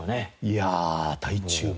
いやあ大注目。